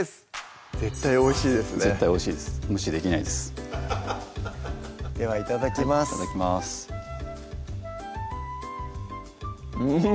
絶対おいしいですね絶対おいしいですむしできないですではいただきますいただきますうん！